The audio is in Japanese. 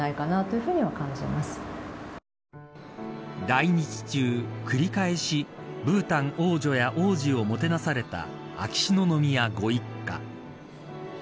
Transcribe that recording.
来日中、繰り返しブータン王女や王子をもてなされた秋篠宮ご一家。